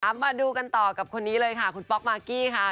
มาดูกันต่อกับคนนี้เลยค่ะคุณป๊อกมากกี้ค่ะ